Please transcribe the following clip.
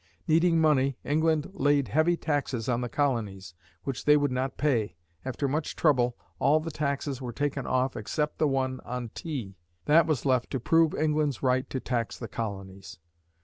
Needing money, England laid heavy taxes on the colonies, which they would not pay. After much trouble, all the taxes were taken off except the one on tea. That was left to prove England's right to tax the colonies.